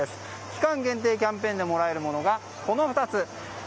期間限定キャンペーンでもらえるものが、この２つ。